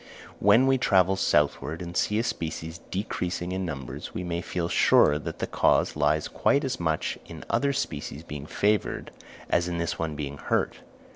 When we travel southward and see a species decreasing in numbers, we may feel sure that the cause lies quite as much in other species being favoured, as in this one being hurt.